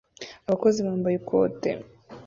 Abakozi bambaye ikoti